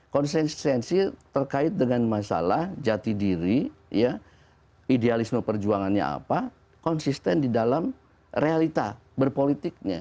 konsistensi terkait dengan masalah jati diri idealisme perjuangannya apa konsisten di dalam realita berpolitiknya